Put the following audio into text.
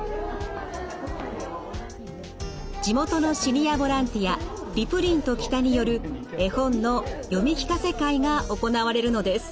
地元のシニアボランティア「りぷりんと・北」による絵本の読み聞かせ会が行われるのです。